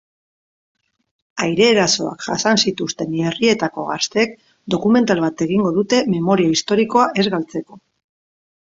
Aire-erasoak jasan zituzten herrietako gazteek dokumental bat egingo dute memoria historikoa ez galtzeko.